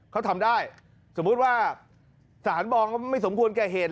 เขาทำได้สมมุติว่าสารมองไม่สมควรแก่เหตุ